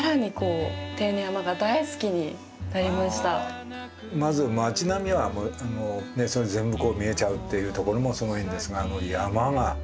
本当にまず街並みは全部見えちゃうっていうところもすごいんですがあの山が。